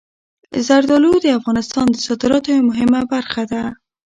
زردالو د افغانستان د صادراتو یوه مهمه برخه ده.